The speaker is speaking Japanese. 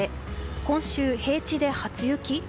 今週、平地で初雪？